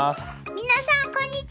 皆さんこんにちは！